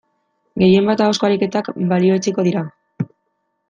Gehien bat ahozko ariketak balioetsiko dira.